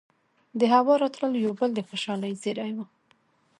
دهوا راتلل يو بل د خوشالۍ زېرے وو